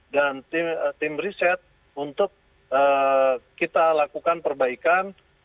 dan tim riset untuk kita lakukan perbaikan